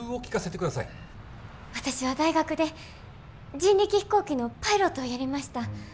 私は大学で人力飛行機のパイロットをやりました。